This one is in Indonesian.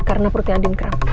karena perutnya andin kerap